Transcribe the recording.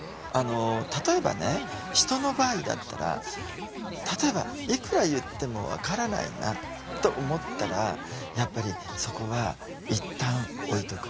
例えばね人の場合だったら例えば「いくら言っても分からないな」と思ったらやっぱりそこはいったん置いとく。